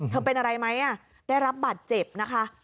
เป็นอะไรไหมได้รับบาดเจ็บนะคะ